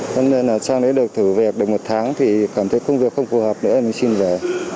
nên là sang đấy được thử về được một tháng thì cảm thấy công việc không phù hợp nữa mình xin về